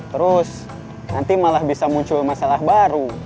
terus nanti malah bisa muncul masalah baru